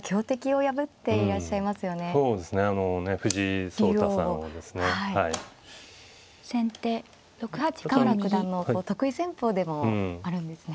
深浦九段の得意戦法でもあるんですね。